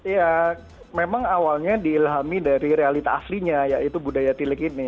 ya memang awalnya diilhami dari realita aslinya yaitu budaya tilik ini